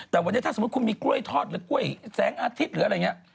แต่วันนี้ถ้าสมมุติคุณมีกล้วยทอดหรือกล้วยแสงอาทิตย์หรืออะไรอย่างนี้